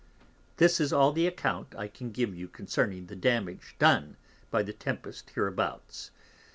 This is all the Account I can give you concerning the damage done by the Tempest hereabouts.